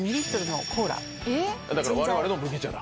だから我々の麦茶だ。